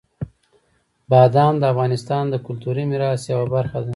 بادام د افغانستان د کلتوري میراث یوه برخه ده.